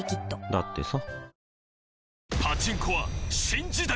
だってさ